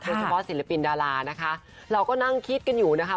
ศิลปศิลปินดารานะคะเราก็นั่งคิดกันอยู่นะคะ